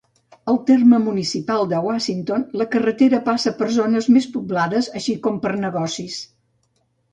Al terme municipal de Washington, la carretera passa per zones més poblades així com per negocis.